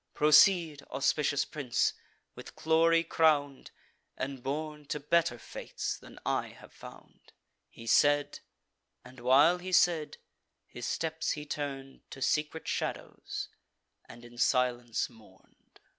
Proceed, auspicious prince, with glory crown'd, And born to better fates than I have found." He said; and, while he said, his steps he turn'd To secret shadows, and in silence mourn'd.